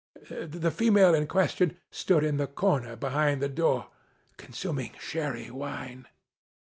The female in question stood in the corner behind the door, consuming Sherry Wine.